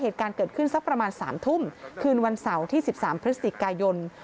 เหตุการณ์เกิดขึ้นสักประมาณ๓ทุ่มคืนวันเสาร์ที่๑๓พฤศจิกายน